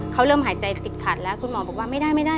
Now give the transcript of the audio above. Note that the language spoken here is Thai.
เขาเริ่มหายใจติดขัดแล้วคุณหมอบอกว่าไม่ได้ไม่ได้